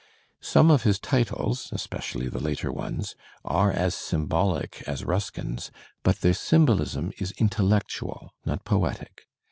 Some of his titles, especially the later ones, are as symbolic as Ruskin's, but their symbolism is intellectual, not poetic.